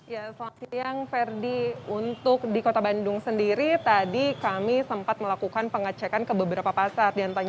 ya selamat siang ferdi untuk di kota bandung sendiri tadi kami sempat melakukan pengecekan ke beberapa pasar